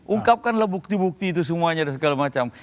ungkapkanlah bukti bukti itu semuanya dan segala macam